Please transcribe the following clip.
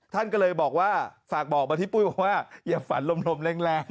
ท่านก็เลยฝากบอกมาที่ปุ้ยว่าอย่าฝันลมแรง